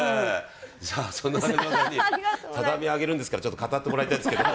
じゃあそんな中島さんに畳をあげるんですからちょっと語ってもらいたいですけど。